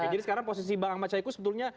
jadi sekarang posisi bang ahmad syaiq sebetulnya